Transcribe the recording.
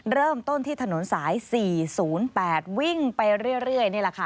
เริ่มต้นที่ถนนสาย๔๐๘วิ่งไปเรื่อยนี่แหละค่ะ